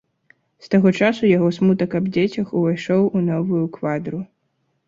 З таго часу яго смутак аб дзецях увайшоў у новую квадру.